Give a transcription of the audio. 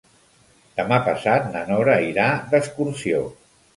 Demà passat na Nora irà d'excursió.